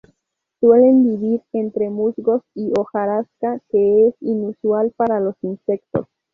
Suelen vivir entre musgos y hojarasca que es inusual para los insectos.